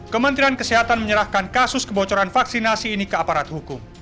kementerian kesehatan menyerahkan kasus kebocoran vaksinasi ini ke aparat hukum